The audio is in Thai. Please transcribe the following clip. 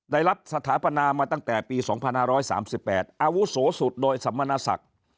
ได้รับสถาปนามาตั้งแต่ปี๒๕๓๘อาวุโสสุดโดยสมณศักดิ์